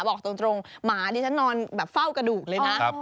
บอกตรงหมาดิฉันนอนแบบเฝ้ากระดูกเลยนะ